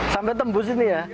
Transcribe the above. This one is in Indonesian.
sampai tembus ini ya